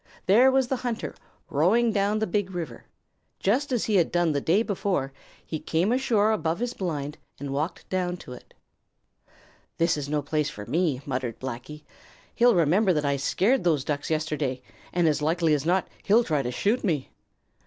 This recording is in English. There was the hunter, rowing down the Big River. Just as he had done the day before, he came ashore above his blind and walked down to it. "This is no place for me," muttered Blacky. "He'll remember that I scared those Ducks yesterday, and as likely as not he'll try to shoot me."